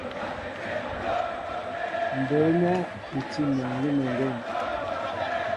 Mbə̌ nɛ́ i tí muŋ gʉ́meŋgên.